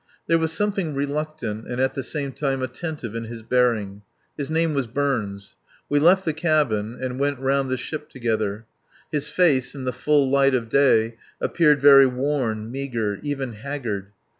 There was something reluctant and at the same time attentive in his bearing. His name was Burns. We left the cabin and went round the ship together. His face in the full light of day appeared very pale, meagre, even haggard.